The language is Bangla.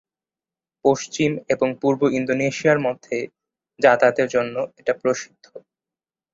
পশ্চিম এবং পূর্ব ইন্দোনেশিয়ার মধ্যে যাতায়াতের জন্য এটা প্রসিদ্ধ।